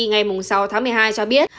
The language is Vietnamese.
ngày sáu tháng một mươi hai cho biết